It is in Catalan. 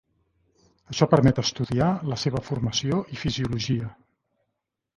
Això permet estudiar la seva formació i fisiologia.